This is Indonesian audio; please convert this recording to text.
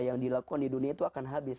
yang dilakukan di dunia itu akan habis